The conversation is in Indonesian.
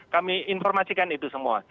kami informasikan itu semua